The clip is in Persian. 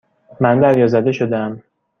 من دریازده شدهام.